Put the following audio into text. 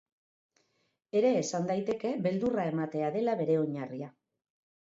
Ere esan daiteke, beldurra ematea dela bere oinarria.